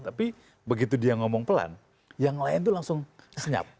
tapi begitu dia ngomong pelan yang lain itu langsung senyap